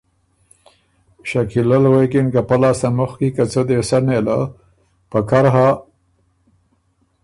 شکیلۀ ل غوېکِن که پۀ لاسته مُخکی که څۀ دې سَۀ نېله پکر هۀ